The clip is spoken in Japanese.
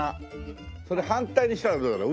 それ反対にしたらどうだろう？